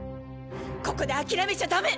ここで諦めちゃダメ！